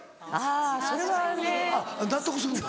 あぁそれはね。